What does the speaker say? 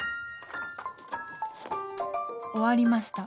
終わりました。